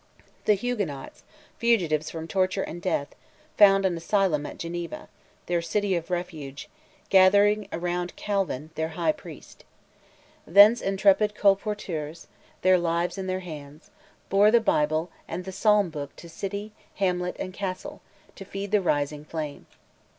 The Huguenots, fugitives from torture and death, found an asylum at Geneva, their city of refuge, gathering around Calvin, their great high priest. Thence intrepid colporteurs, their lives in their hands, bore the Bible and the psalm book to city, hamlet, and castle, to feed the rising flame.